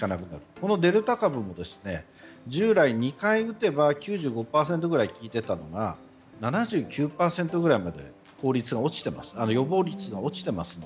このデルタ株も従来、２回打てば９５％くらい効いていたのが７９％ぐらいまで予防率が落ちています。